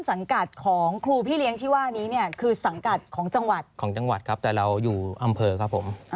สังกัดของครูพี่เลี้ยงที่ว่านี้เนี่ยคือสังกัดของจังหวัดของจังหวัดครับแต่เราอยู่อำเภอครับผม